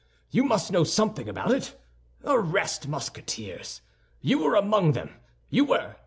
_ You must know something about it. Arrest Musketeers! You were among them—you were!